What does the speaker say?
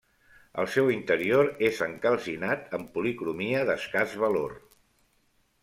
El seu interior és encalcinat amb policromia d'escàs valor.